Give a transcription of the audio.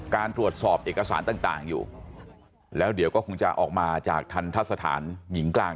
การตรวจสอบเอกสารต่างอยู่แล้วเดี๋ยวก็คงจะออกมาจากทันทะสถานหญิงกลาง